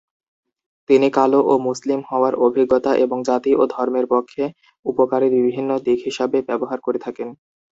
তিনি কালো ও মুসলিম হওয়ার অভিজ্ঞতা এবং জাতি ও ধর্মের পক্ষে উপকারী বিভিন্ন দিক হিসাবে ব্যবহার করে থাকেন।